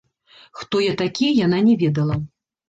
Хто я такі, яна не ведала.